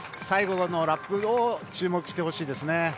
最後のラップに注目してほしいですね。